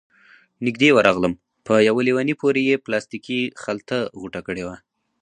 نږدې ورغلم، په يوه ليوني پورې يې پلاستيکي خلطه غوټه کړې وه،